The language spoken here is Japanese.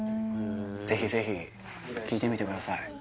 ぜひぜひ聴いてみてください